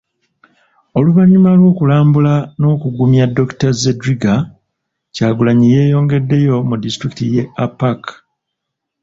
Oluvannyuma lw'okulambula n'okugumya Dokitaali Zedriga, Kyagulanyi yeeyongeddeyo mu disitulikiti y'e Apac .